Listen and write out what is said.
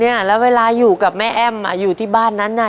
เนี่ยแล้วเวลาอยู่กับแม่แอ้มอ่ะอยู่ที่บ้านนั้นน่ะ